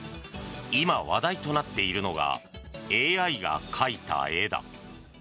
今、話題となっているのがＡＩが描いた絵だ。